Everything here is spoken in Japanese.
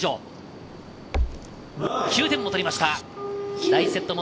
９点を取りました。